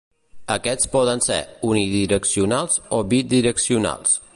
Aquests poden ser unidireccionals, o bidireccionals.